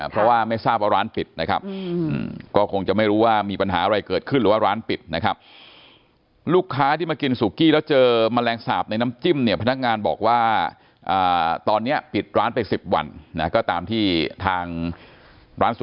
เพราะว่าไม่ทราบว่าร้านปิดนะครับก็คงจะไม่รู้ว่ามีปัญหาอะไรเกิดขึ้นหรือว่าร้านปิดนะครับ